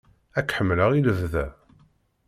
Ad k-ḥemmleɣ i lebda!